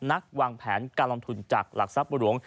วางแผนการลงทุนจากหลักทรัพย์หลวง